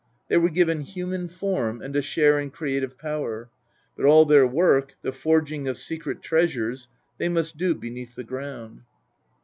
They were given human form and a share in creative power, but all their work, the forging of secret treasures, they must do beneath the ground.